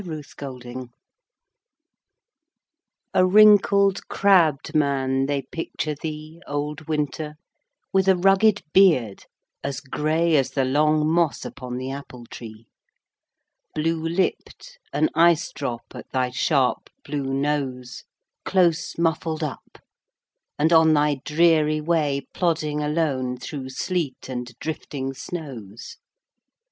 8 Autoplay A wrinkled crabbed man they picture thee, Old Winter, with a rugged beard as grey As the long moss upon the apple tree; Blue lipt, an icedrop at thy sharp blue nose, Close muffled up, and on thy dreary way Plodding alone through sleet and drifting snows.